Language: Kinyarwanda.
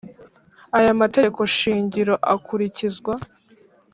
Aya mategeko shingiro akurikizwa